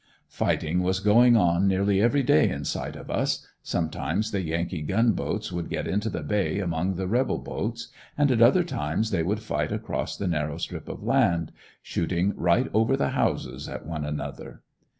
Fighting was going on nearly every day in sight of us; sometimes the Yankee gun boats would get into the Bay among the rebel boats, and at other times they would fight across the narrow strip of land, shooting right over the houses at one another.